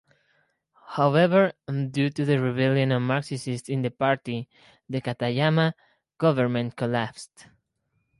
However, due to the rebellion of Marxists in the party, the Katayama government collapsed.